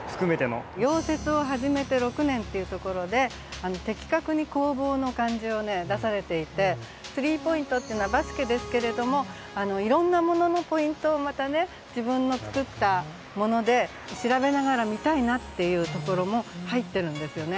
「溶接を始めて六年」っていうところで的確に工房の感じを出されていて「スリーポイント」っていうのはバスケですけれどもいろんなもののポイントをまたね自分の作ったもので調べながら見たいなっていうところも入ってるんですよね。